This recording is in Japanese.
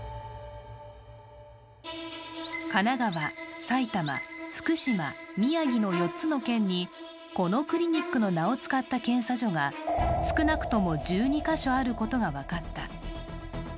神奈川、埼玉、福島、宮城の４つの県にこのクリニックの名を使った検査所が少なくとも１２か所あることが分かった。